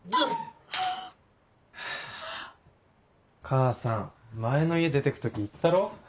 母さん前の家出て行く時言ったろ？